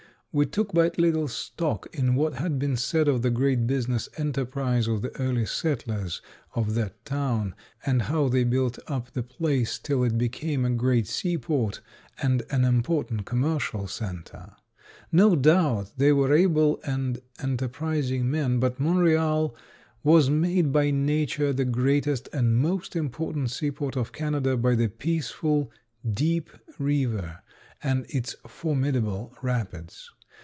We took but little stock in what had been said of the great business enterprise of the early settlers of that town and how they built up the place till it became a great seaport and an important commercial center. No doubt they were able and enterprising men, but Montreal was made by nature the greatest and most important seaport of Canada by the peaceful deep river and its formidable rapids.